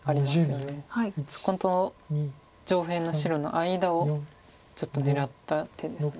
そこと上辺の白の間をちょっと狙った手です。